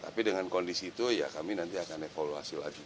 tapi dengan kondisi itu ya kami nanti akan evaluasi lagi